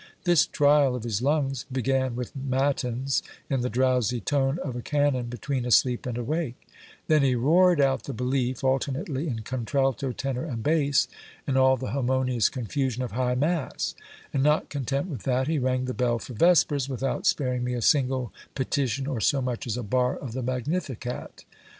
This trial of his lungs began with matins, in the drowsy tone of a canon between asleep and awake; then he roared out the Belief, alternately in contralto, tenor, and bass, in all the harmonious confusion of high mass; and not content with that, he rang the bell for vespers, without sparing me a single petition or so much as a bar of the magnificat.